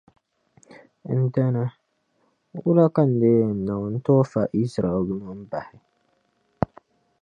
Ndana, wula ka n lee yɛn niŋ n-tooi fa Izraɛlnima bahi?